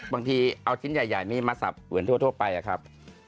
บางทีเอาชิ้นใหญ่นี้มาสับเหมือนทั่วไปอะครับ